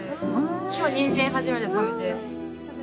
今日にんじん初めて食べて。